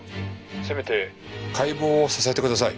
せめて解剖をさせてください。